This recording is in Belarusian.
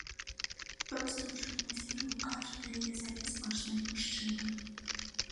Проста ў жывым эфіры ў кадр да яе залез мажны мужчына.